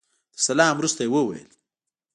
تر سلام وروسته يې وويل.